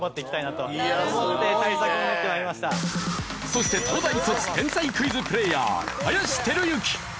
そして東大卒天才クイズプレーヤー林輝幸。